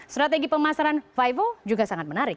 strategi pemasaran vivo juga sangat menarik